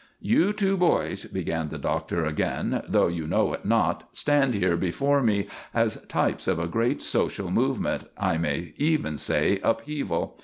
"You two boys," began the Doctor again, "though you know it not, stand here before me as types of a great social movement, I may even say upheaval.